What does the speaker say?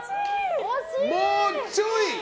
もうちょい！